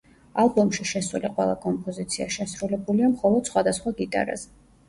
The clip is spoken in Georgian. ალბომში შესული ყველა კომპოზიცია შესრულებულია მხოლოდ სხვადასხვა გიტარაზე.